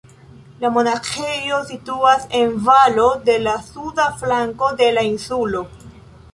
La monaĥejo situas en valo de la suda flanko de la insulo.